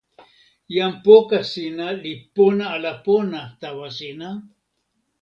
jan poka sina li pona ala pona tawa sina?